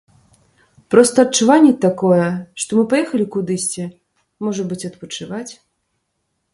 Проста адчуванне такое, што мы паехалі кудысьці, можа быць, адпачываць.